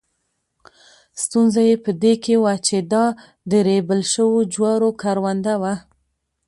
ستونزه یې په دې کې وه چې دا د ریبل شوو جوارو کرونده وه.